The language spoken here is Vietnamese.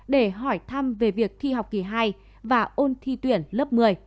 để hỏi thăm về việc thi học kỳ hai và ôn thi tuyển lớp một mươi